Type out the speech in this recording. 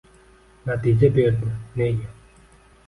natija berdi, nega?